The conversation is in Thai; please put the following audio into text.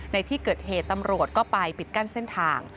ในที่เกิดเหตุตำรวจก็ไปปิดกั้นเส้นทาง